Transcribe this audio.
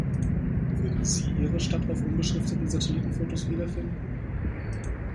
Würden Sie Ihre Stadt auf unbeschrifteten Satellitenfotos wiederfinden?